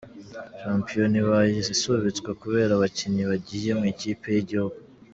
Shampiyona ibaye isubitswe kubera abakinnyi bagiye mw’ikipe y’Igihugu.